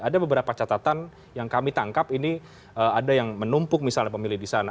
ada beberapa catatan yang kami tangkap ini ada yang menumpuk misalnya pemilih di sana